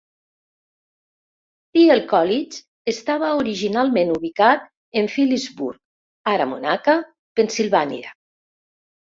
Thiel College estava originalment ubicat en Philipsburg, ara Monaca, Pennsilvània.